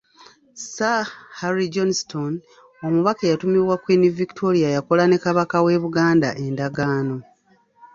Sir Harry Johnston omubaka eyatumibwa Queen Victoria yakola ne Kabaka w'e Buganda endagaano.